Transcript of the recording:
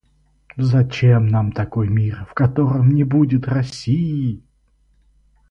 Зачем нам такой мир, в котором не будет России!